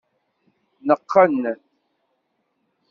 Neqqen.